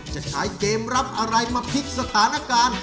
จะใช้เกมรับอะไรมาพลิกสถานการณ์